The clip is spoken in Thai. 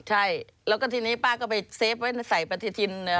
ใช่แล้วก็ทีนี้ป้าก็ไปเซฟไว้ใส่ปฏิทิน